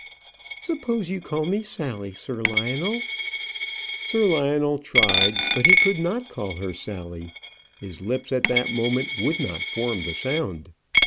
Suppose you call me Sally, Sir Lionel." Sir Lionel tried, but he could not call her Sally; his lips at that moment would not form the sound.